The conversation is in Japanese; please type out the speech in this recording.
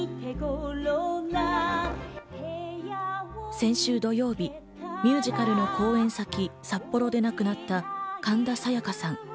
先週土曜日、ミュージカルの講演先、札幌で亡くなった神田沙也加さん。